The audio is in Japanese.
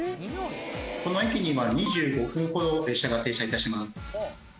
この駅には２５分ほど列車が停車致します。